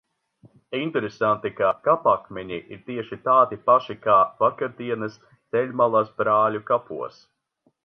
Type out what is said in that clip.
Interesanti, ka kapakmeņi ir tieši tādi paši kā vakardienas ceļmalas brāļu kapos.